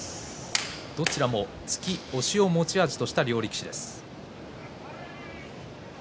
どちらも突き、押しを持ち味とした両力士です。